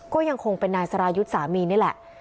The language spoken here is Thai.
ก็ยังคงเป็นนายสรายุทธ์สามีนี่แหละ